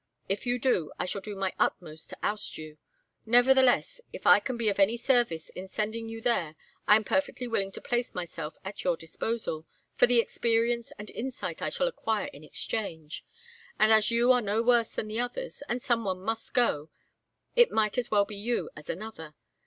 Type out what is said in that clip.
If you do I shall do my utmost to oust you. Nevertheless, if I can be of any service in sending you there I am perfectly willing to place myself at your disposal, for the experience and insight I shall acquire in exchange. And as you are no worse than the others, and some one must go, it might as well be you as another.